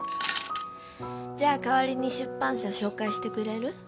じゃあ代わりに出版社紹介してくれる？